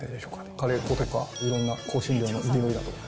カレー粉とか、いろんな香辛料の匂いだとか。